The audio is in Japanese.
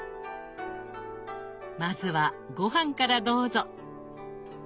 まずはごはんからどうぞ。